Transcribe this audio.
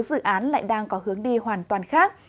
dự án lại đang có hướng đi hoàn toàn khác